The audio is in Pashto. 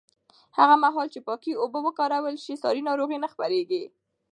هغه مهال چې پاکې اوبه وکارول شي، ساري ناروغۍ نه خپرېږي.